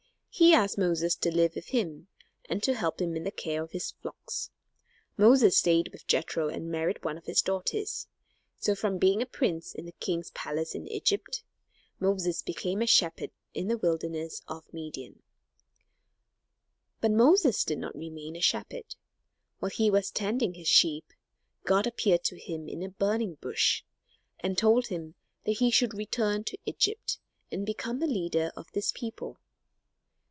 He asked Moses to live with him, and to help him in the care of his flocks. Moses stayed with Jethro and married one of his daughters. So from being a prince in the king's palace in Egypt, Moses became a shepherd in the wilderness of Midian. [Illustration: Moses became a shepherd in the wilderness of Midian] But Moses did not remain a shepherd. While he was tending his sheep God appeared to him in a burning bush and told him that he should return to Egypt and become the leader of his people.